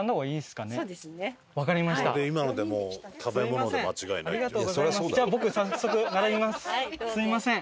「今のでもう食べ物で間違いない」すみません。